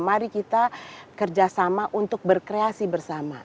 mari kita kerjasama untuk berkreasi bersama